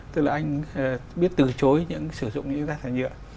tức là anh biết từ chối những sử dụng những rác thải nhựa